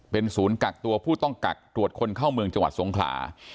เป็นศูนย์กักตัวผู้ต้องกักตรวจคนเข้าเมืองจังหวัดสงขลา